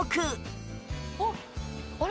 あっあれ？